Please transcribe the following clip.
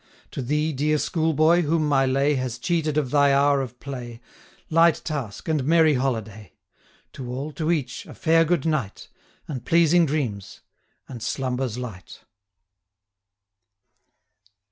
To thee, dear school boy, whom my lay Has cheated of thy hour of play, Light task, and merry holiday! To all, to each, a fair good night, 20 And pleasing dreams, and slumbers light!